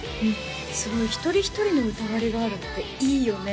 すごい一人一人の歌割りがあるっていいよね